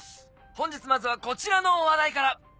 本日まずはこちらの話題から！